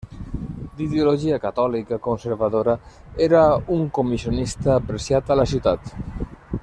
D'ideologia catòlica conservadora, era un comissionista apreciat a la ciutat.